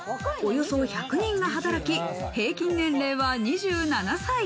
およそ１００人が働き、平均年齢は２７歳。